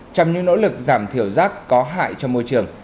trong những nỗ lực giảm thiểu rác có hại cho môi trường